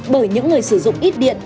bởi những người sử dụng ít điện